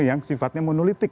yang sifatnya monolitik